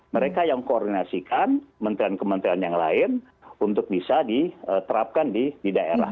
mereka yang koordinasikan menterian kementerian kementerian yang lain untuk bisa diterapkan di daerah